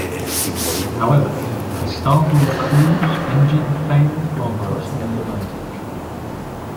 However, the starboard cruise engine failed while crossing the Atlantic.